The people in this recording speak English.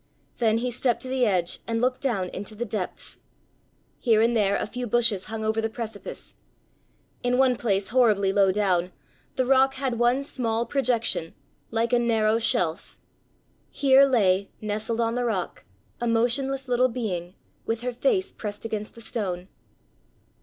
Then he stepped to the edge and looked down into the depths. Here and there a few bushes hung over the precipice. In one place, horribly low down, the rock had one small projection, like a narrow shelf. Here lay, nestled on the rock, a motionless little being, with her face pressed against the stone.